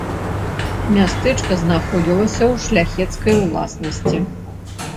Мястэчка знаходзілася ў шляхецкай уласнасці.